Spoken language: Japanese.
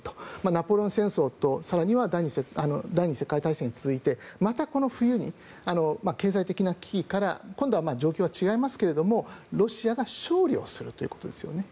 ナポレオン戦争と更には第２次世界大戦に続いてまたこの冬に経済的な危機から今度は状況は違いますがロシアが勝利をするということですね。